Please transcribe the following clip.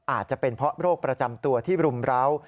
อาจจะเป็นเพราะโรคประจำตัวที่รุมร้าว